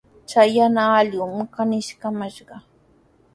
Chay yana allqumi kaniskamashqa.